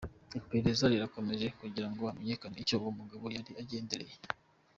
Iperereza rirakomeje kugirango hamenyekane icyo uwo mugabo yari agendereye.